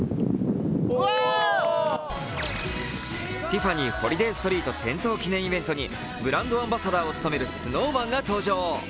ティファニーホリデーストリート点灯記念イベントにブランドアンバサダーを務めるＳｎｏｗＭａｎが登場。